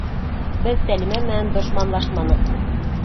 Беҙ Сәлимә менән дошманлашманыҡ.